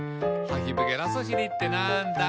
「ハヒブゲラソシリってなんだ？」